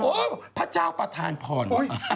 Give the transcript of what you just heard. โอ้พระเจ้าประทานพร